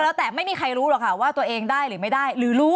แล้วแต่ไม่มีใครรู้หรอกค่ะว่าตัวเองได้หรือไม่ได้หรือรู้